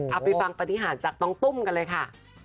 เอาไปฟังปฏิหารจากน้องตุ้มกันเลยค่ะ